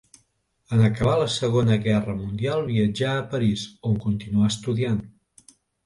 En acabar la Segona Guerra Mundial viatjà a París, on continuà estudiant.